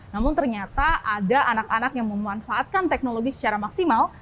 namun ternyata ada anak anak yang memanfaatkan teknologi secara maksimal